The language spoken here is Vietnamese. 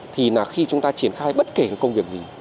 thì là khi chúng ta triển khai bất kể một công việc gì